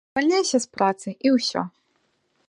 Звальняйся з працы, і ўсё.